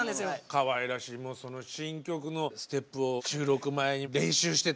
かわいらしいもうその新曲のステップを収録前に練習してた！